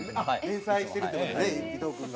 連載してるって事ね伊藤君が。